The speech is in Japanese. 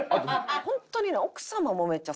ホントにね。